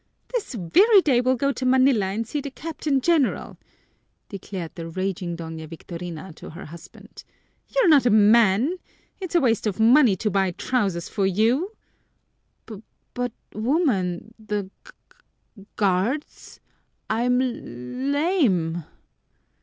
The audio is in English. "This very day we'll go to Manila and see the Captain General!" declared the raging Doña Victorina to her husband. "You're not a man! It's a waste of money to buy trousers for you!" "B but, woman, the g guards? I'm l lame!"